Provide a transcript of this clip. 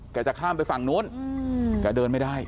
จะข้ามไปฝั่งนู้นแกเดินไม่ได้